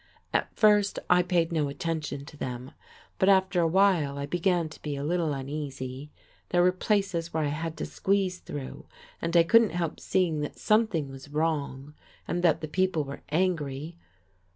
At first I paid no attention to them, but after a while I began to be a little uneasy, there were places where I had to squeeze through, and I couldn't help seeing that something was wrong, and that the people were angry.